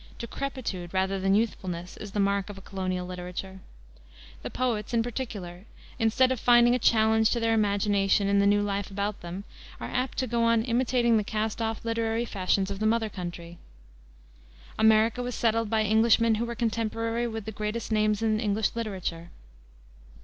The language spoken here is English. Decrepitude rather than youthfulness is the mark of a colonial literature. The poets, in particular, instead of finding a challenge to their imagination in the new life about them, are apt to go on imitating the cast off literary fashions of the mother country. America was settled by Englishmen who were contemporary with the greatest names in English literature.